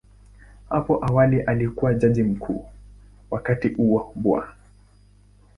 Hapo awali alikuwa Jaji Mkuu, wakati huo Bw.